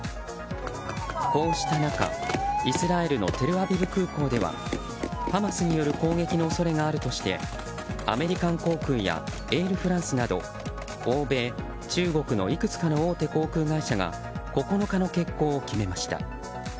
こうした中イスラエルのテルアビブ空港ではハマスによる攻撃の恐れがあるとしてアメリカン航空やエールフランスなど欧米、中国のいくつかの航空会社が９日の欠航を決めました。